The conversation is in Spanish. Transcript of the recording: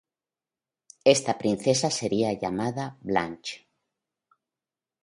Ésta princesa sería llamada Blanche.